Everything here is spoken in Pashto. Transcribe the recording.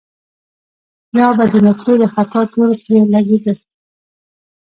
يا به د نطفې د خطا تور پرې لګېده.